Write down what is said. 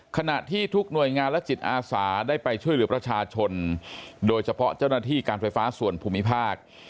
ขณะที่ทุกหน่วยงานและจิตอาสาได้ไปช่วยเหลือประชาชนโดยเฉพาะเจ้าหน้าที่การไฟฟ้าส่วนภูมิภาค